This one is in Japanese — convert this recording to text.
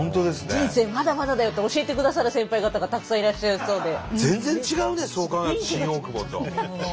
人生まだまだだよって教えてくださる先輩方がたくさんいらっしゃりそうで。